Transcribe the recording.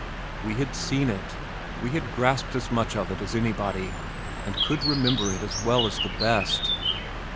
We had seen it. We had grasped as much of it as anybody and could remember it as well as the best.